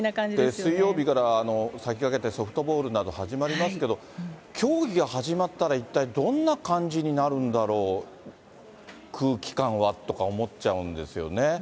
水曜日から先駆けてソフトボールなど始まりますけど、競技が始まったら、一体どんな感じになるんだろう、空気感はとか思っちゃうんですよね。